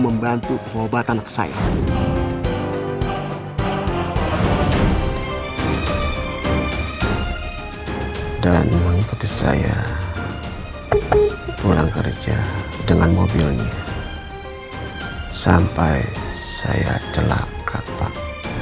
membantu kehobatan saya dan mengikuti saya pulang kerja dengan mobilnya sampai saya telap kak pak